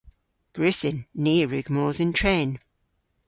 Gwrussyn. Ni a wrug mos yn tren.